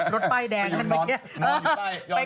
รถป้ายแดงครับ